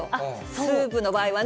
スープの場合はね。